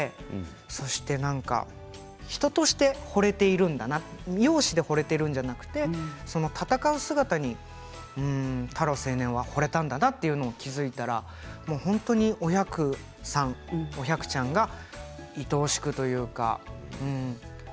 そして人としてほれているんだな容姿でほれているのではなくて闘う姿に太郎青年はほれたんだなというのに気付いたらもう本当にお百ちゃんがいとおしくというか。